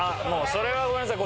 それはごめんなさい。